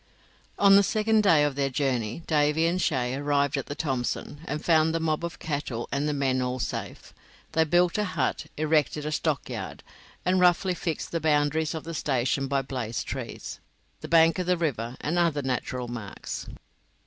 On the second day of their journey Davy and Shay arrived at the Thomson, and found the mob of cattle and the men all safe. They built a hut, erected a stockyard, and roughly fixed the boundaries of the station by blazed trees, the bank of the river, and other natural marks.